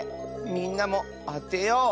みんなもあてよう！